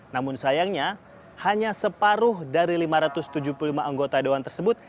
namun sayangnya hanya separuh dari lima ratus tujuh puluh lima anggota dewan tersebut